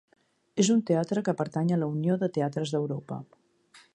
És un teatre que pertany a la Unió de Teatres d'Europa.